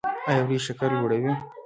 ایا وریجې شکر لوړوي؟